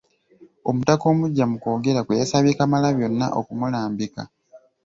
Omutaka Omuggya mu kwogera kwe, yasabye Kamalabyonna okumulambika.